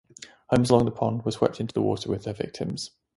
Homes along the pond were swept into the water with their victims.